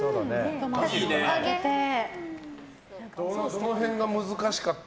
どの辺が難しかった？